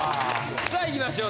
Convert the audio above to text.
さあいきましょう。